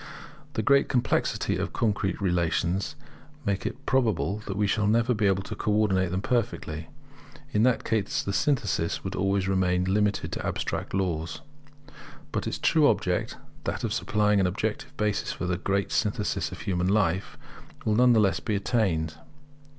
The great complexity of concrete relations makes it probable that we shall never be able to co ordinate them perfectly. In that case the synthesis would always remain limited to abstract laws. But its true object, that of supplying an objective basis for the great synthesis of human life, will none the less be attained.